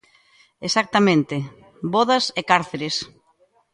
Exactamente, vodas e cárceres.